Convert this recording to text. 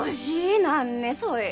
何ねそい